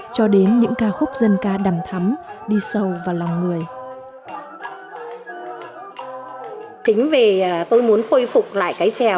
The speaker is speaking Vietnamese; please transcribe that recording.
cho đến ngày hôm nay